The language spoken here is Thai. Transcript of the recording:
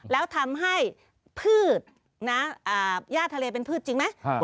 แล้วทำให้พืชนะทะเลเป็นพืชจริงไหม